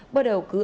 bắt đầu cứa